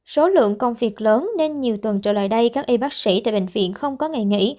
số lượng công việc lớn nên nhiều tuần trở lại đây các y bác sĩ tại bệnh viện không có ngày nghỉ